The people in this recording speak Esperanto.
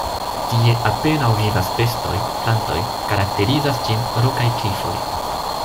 Tie apenaŭ vivas bestoj, plantoj, karakterizas ĝin rokaj klifoj.